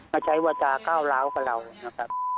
มาใช้วาจาก้าวร้าวกับเรานะครับ